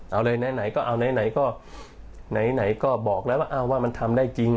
เอาเลยไหนไหนก็เอาไหนไหนก็ไหนไหนก็บอกแล้วว่าอ้าวว่ามันทำได้จริง